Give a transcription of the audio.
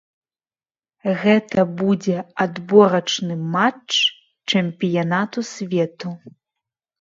Гэта будзе адборачны матч чэмпіянату свету.